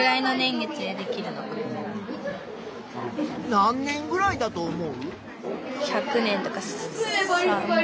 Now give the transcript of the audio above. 何年ぐらいだと思う？